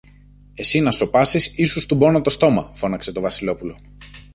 Εσύ να σωπάσεις ή σου στουμπώνω το στόμα, φώναξε το Βασιλόπουλο.